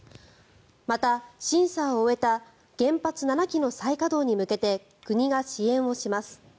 また、審査を終えた原発７基の再稼働に向けて国が支援をします。